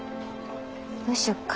どうしようか？